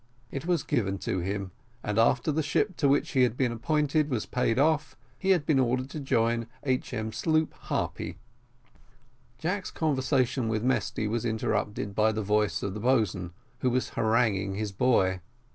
It was given to him; and after the ship to which he had been appointed was paid off, he had been ordered to join H.M. sloop Harpy. Jack's conversation with Mesty was interrupted by the voice of the boatswain, who was haranguing his boy.